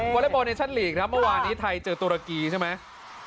วอเล่บอร์เนชั่นลีกมาวานที่ไทยเจอตุรกีใช่ไหม